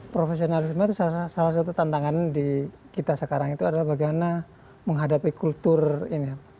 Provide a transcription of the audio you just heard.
profesionalisme itu salah satu tantangan di kita sekarang itu adalah bagaimana menghadapi kultur ini